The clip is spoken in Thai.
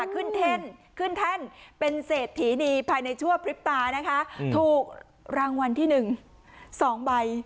แท่นขึ้นแท่นเป็นเศรษฐีนีภายในชั่วพริบตานะคะถูกรางวัลที่๑๒ใบ